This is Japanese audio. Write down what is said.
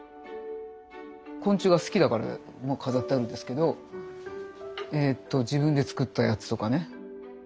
昆虫が好きだから飾ってあるんですけど自分で作ったやつとかね。